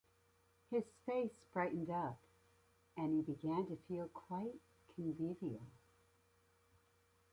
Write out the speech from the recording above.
His face brightened up, and he began to feel quite convivial.